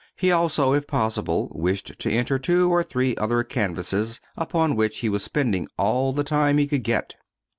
He also, if possible, wished to enter two or three other canvases, upon which he was spending all the time he could get.